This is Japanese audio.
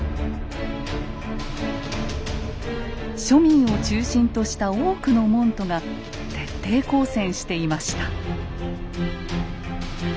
庶民を中心とした多くの門徒が徹底抗戦していました。